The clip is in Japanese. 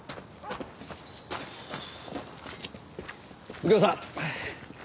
右京さん。